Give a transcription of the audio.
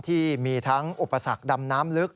ที่มีทั้งอุปสรรคดำน้ำลึก